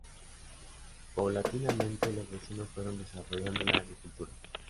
Paulatinamente, los vecinos fueron desarrollando la agricultura.